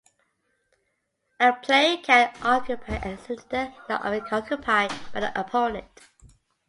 A player can occupy any cylinder not already occupied by the opponent.